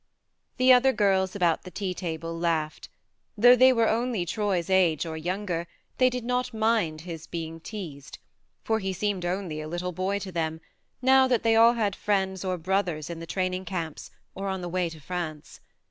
The other girls about the tea table laughed. Though they were only Troy's age, or younger, they did not mind his being teased, for he seemed 52 THE MARNE only a little boy to them, now that they all had friends or brothers in the training camps or on the way to France.